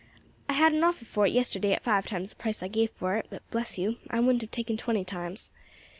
I had an offer for it yesterday at five times the price I gave for it; but, bless you, I wouldn't have taken twenty times.